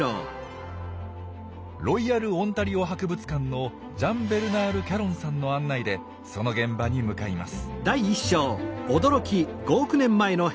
ロイヤル・オンタリオ博物館のジャン・ベルナール・キャロンさんの案内でその現場に向かいます。